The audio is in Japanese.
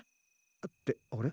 ってあれ？